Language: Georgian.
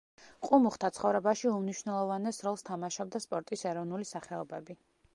ყუმუხთა ცხოვრებაში უმნიშვნელოვანეს როლს თამაშობდა სპორტის ეროვნული სახეობები.